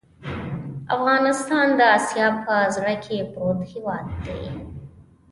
افغانستان د آسیا په زړه کې پروت هېواد دی.